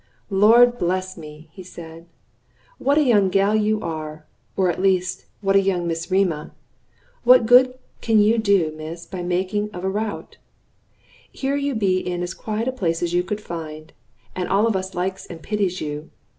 "Lord bless me!" he said, "what a young gal you are! Or, at least, what a young Miss Rema. What good can you do, miss, by making of a rout? Here you be in as quiet a place as you could find, and all of us likes and pities you.